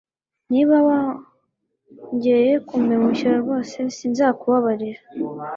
Niba wongeye kumpemukira rwose sinzakubabarira